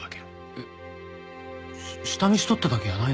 えっ下見しとっただけやないの？